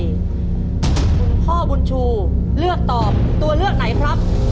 คุณพ่อบุญชูเลือกตอบตัวเลือกไหนครับ